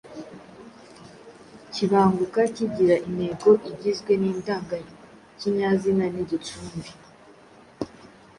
kibanguka kigira intego igizwe n’indangakinyazina n’igicumbi,